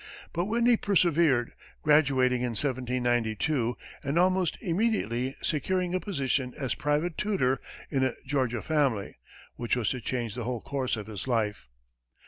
But Whitney persevered, graduating in 1792, and almost immediately securing a position as private tutor in a Georgia family, which was to change the whole course of his life.